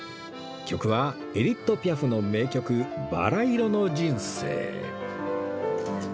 曲はエディット・ピアフの名曲『バラ色の人生』